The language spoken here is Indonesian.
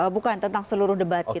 bukan tentang seluruh debat